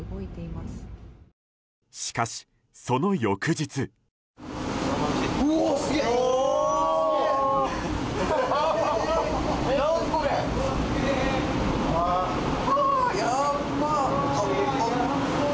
しかし、その翌日。すげー！